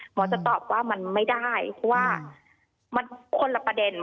หมอจะตอบว่ามันไม่ได้เพราะว่ามันคนละประเด็น